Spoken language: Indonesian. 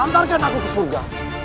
ampalkan aku ke surga